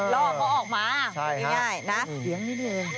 ลอกเพราะออกมาง่ายนะเสียงนิดหนึ่ง